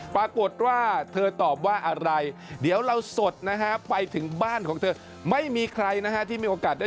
ปรากฏว่าเธอตอบว่าอะไรเดี๋ยวเราสดนะฮะไปถึงบ้านของเธอไม่มีใครนะฮะที่มีโอกาสได้